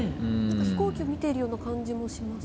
飛行機を見ているような感じもしますね。